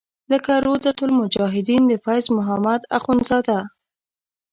لکه روضة المجاهدین د فیض محمد اخونزاده.